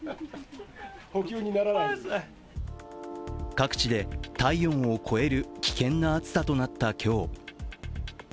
各地で体温を超える危険な暑さとなった今日。